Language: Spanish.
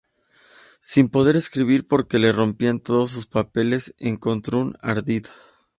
Sin poder escribir, porque le rompían todos sus papeles, encontró un ardid.